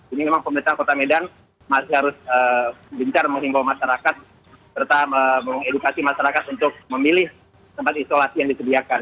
ini memang pemerintah kota medan masih harus gencar menghimbau masyarakat serta mengedukasi masyarakat untuk memilih tempat isolasi yang disediakan